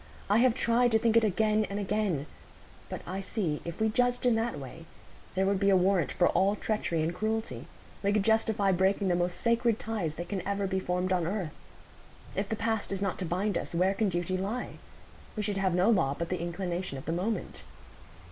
I have tried to think it again and again; but I see, if we judged in that way, there would be a warrant for all treachery and cruelty; we should justify breaking the most sacred ties that can ever be formed on earth. If the past is not to bind us, where can duty lie? We should have no law but the inclination of the moment."